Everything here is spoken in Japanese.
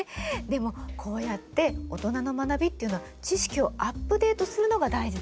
でもこうやって大人の学びっていうのは知識をアップデートするのが大事だよね。